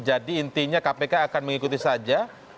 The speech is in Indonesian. jadi intinya kpk akan mengikuti saja